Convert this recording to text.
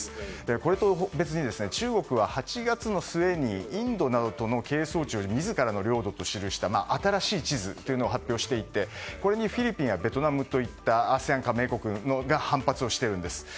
これと別に中国は８月末にインドなどとの係争地を自らの領土と記した新しい地図というのを発表していて、これにフィリピンやベトナムといったＡＳＥＡＮ加盟国が反発しているんです。